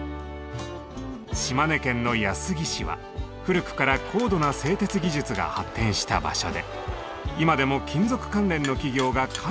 島根県の安来市は古くから高度な製鉄技術が発展した場所で今でも金属関連の企業が数多くあります。